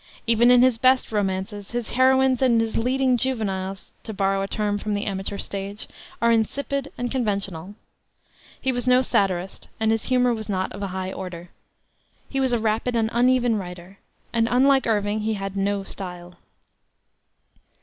Even in his best romances his heroines and his "leading juveniles" to borrow a term from the amateur stage are insipid and conventional. He was no satirist, and his humor was not of a high order. He was a rapid and uneven writer, and, unlike Irving, he had no style.